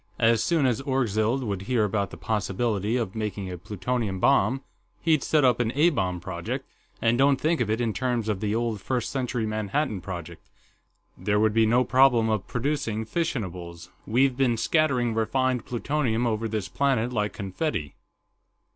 "As soon as Orgzild would hear about the possibility of making a plutonium bomb, he'd set up an A bomb project, and don't think of it in terms of the old First Century Manhattan Project. There would be no problem of producing fissionables we've been scattering refined plutonium over this planet like confetti."